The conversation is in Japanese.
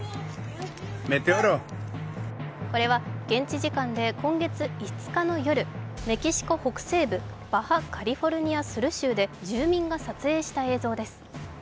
これは現地時間で今月５日の夜、メキシコ北西部バハ・カリフォルニア・スル州で住民が撮影した映像です。